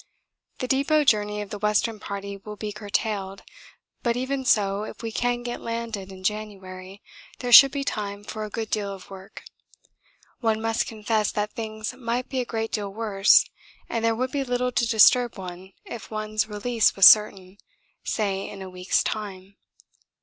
The depot journey of the Western Party will be curtailed, but even so if we can get landed in January there should be time for a good deal of work. One must confess that things might be a great deal worse and there would be little to disturb one if one's release was certain, say in a week's time.